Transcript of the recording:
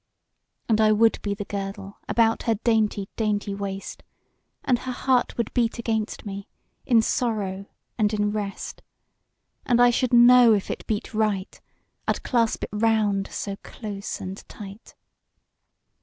And I would be the girdle About her dainty dainty waist, And her heart would beat against me, In sorrow and in rest: 10 And I should know if it beat right, I'd clasp it round so close and tight.